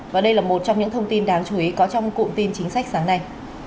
và đây là một trong những thông tin đáng chú ý có trong cụm tin chính sách sáng nay